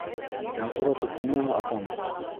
— Ядро тип нимәне атаныҡ?